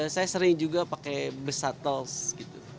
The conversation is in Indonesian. saya sering juga pakai bus shuttle